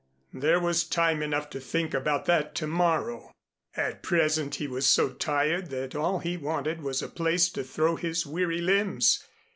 There was time enough to think about that to morrow. At present he was so tired that all he wanted was a place to throw his weary limbs.